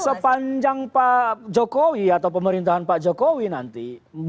sepanjang pak jokowi atau pemerintahan pak jokowi nanti